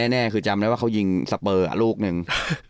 แน่คือจำได้ว่าเขายิงสเปอร์ลูกหนึ่ง